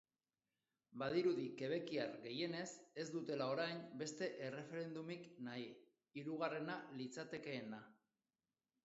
Badirudi quebekiar gehienez ez dutela orain beste erreferendumik nahi, hirugarrena litzatekeena.